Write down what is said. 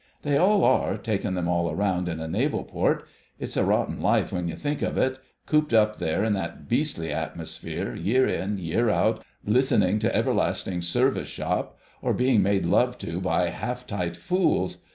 They all are, taking them all round, in a Naval Port. It's a rotten life when you think of it ... cooped up there in that beastly atmosphere, year in, year out, listening to everlasting Service shop, or being made love to by half tight fools.